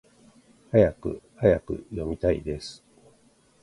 はやくはやく！読みたいです！